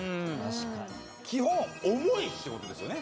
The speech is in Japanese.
基本重い仕事ですよね。